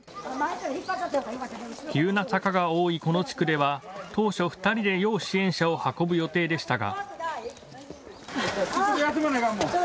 急な坂が多いこの地区では当初２人で要支援者を運ぶ予定でしたが。